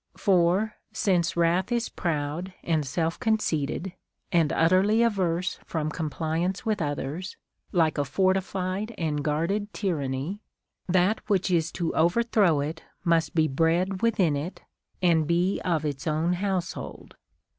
For, since wrath is proud and self conceited, and utterly averse from compli ance Avith others, like a fortified and guarded tyranny, that which is to overthrow it must be bred within it and be of its own household.